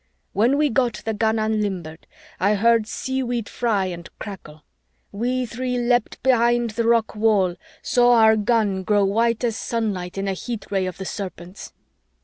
When we got the gun unlimbered, I heard seaweed fry and crackle. We three leaped behind the rock wall, saw our gun grow white as sunlight in a heat ray of the Serpents!